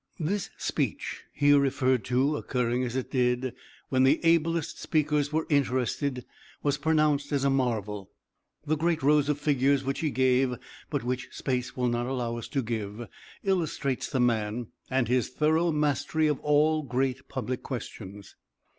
This speech, here referred to, occurring, as it did when the ablest speakers were interested, was pronounced as a marvel. The great rows of figures which he gave, but which space will not allow us to give, illustrates the man, and his thorough mastery of all great public questions.